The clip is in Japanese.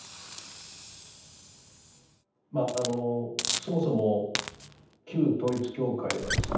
そもそも旧統一教会はですね